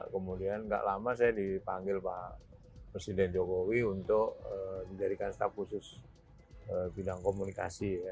kemudian tidak lama saya dipanggil pak presiden jokowi untuk menjadikan staff khusus bidang komunikasi